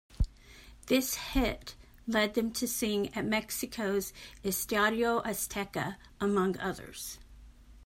This hit led them to sing at Mexico's Estadio Azteca, among others.